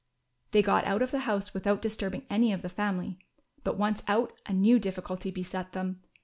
They got out of the house without disturbing any of the family; but, once out, a new difficulty beset them.